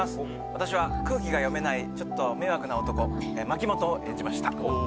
私は空気が読めないちょっと迷惑な男牧本を演じました